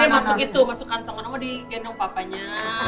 masuk itu masuk kantongnya di gendong papanya